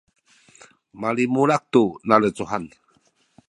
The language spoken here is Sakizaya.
limulak tu nalecuhan